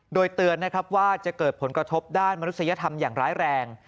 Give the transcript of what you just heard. โดยเตือนนะครับว่าจะเกิดผลกระทบด้านมนุษยธรรมอย่างร้ายแรง